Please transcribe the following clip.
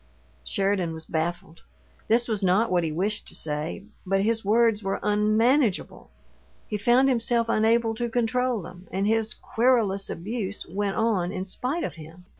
Sheridan was baffled. This was not what he wished to say, but his words were unmanageable; he found himself unable to control them, and his querulous abuse went on in spite of him.